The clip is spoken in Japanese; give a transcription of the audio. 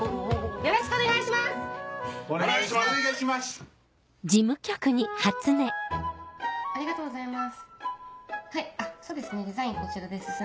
よろしくお願いします。